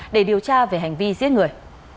để điều tra về hành vi giết người